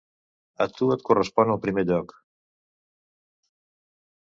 A tu et correspon el primer lloc.